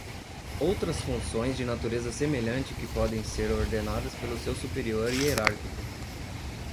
Outras funções de natureza semelhante que podem ser ordenadas pelo seu superior hierárquico.